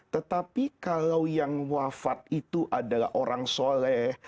tetapi kalau yang wafat itu adalah orang soleh